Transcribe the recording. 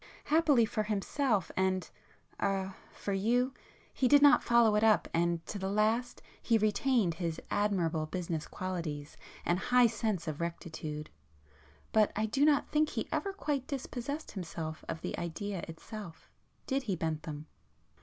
Happily for himself and—er—for you, he did not follow it up, and to the last he retained his admirable business qualities and high sense of rectitude. But I do not think he ever quite dispossessed himself of the idea itself, did he Bentham?"